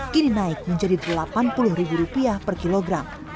kini naik menjadi delapan puluh rupiah per kilogram